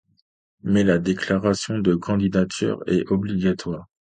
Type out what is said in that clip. Mais la déclaration de candidature est obligatoire.